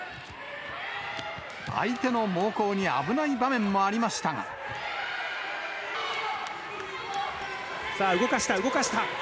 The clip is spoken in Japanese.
相手の猛攻に危ない場面もあさあ、動かした、動かした。